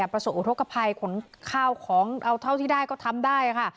ประสบอุทธกภัยขนข้าวของเอาเท่าที่ได้ก็ทำได้ค่ะ